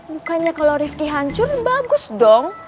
bukannya kalau rifki hancur bagus dong